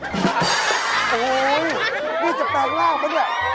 โอ้โฮก็จะแปลงราวมันแหละ